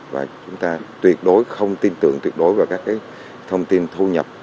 và chúng ta tuyệt đối không tin tưởng tuyệt đối vào các thông tin thu nhập